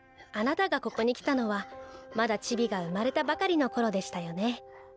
あなたがここに来たのはまだチビが生まれたばかりの頃でしたよね。